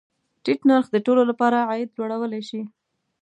ټیټ نرخ د ټولو له پاره عاید لوړولی شي.